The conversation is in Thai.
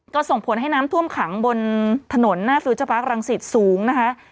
ก็ส่งผลให้น้ำท่วมขังบนถนนหน้าฟิลเจอร์ปาร์ครังสิตสูงนะคะ